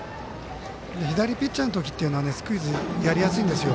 左ピッチャーの時はスクイズやりやすいんですよ。